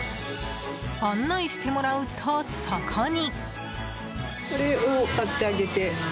案内してもらうと、そこに。